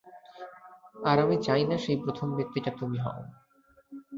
আর আমি চাই না, সেই প্রথম ব্যক্তি টা তুমি হও।